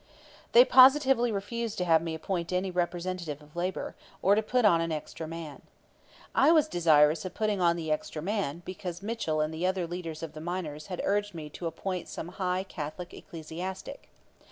They positively refused to have me appoint any representative of labor, or to put on an extra man. I was desirous of putting on the extra man, because Mitchell and the other leaders of the miners had urged me to appoint some high Catholic ecclesiastic.